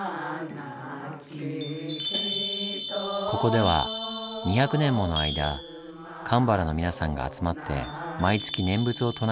ここでは２００年もの間鎌原の皆さんが集まって毎月念仏を唱えています。